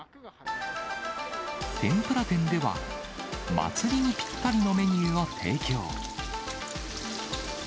天ぷら店では、祭りにぴったりのメニューを提供。